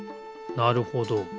なるほど。